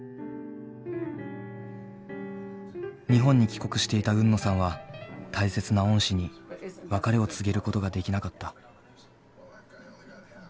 日本に帰国していた海野さんは大切な恩師に別れを告げることができなかった。